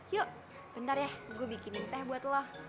yuk bentar ya gue bikinin teh buat lo